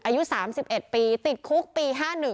อายุ๓๑ปีติดคุกปี๕๑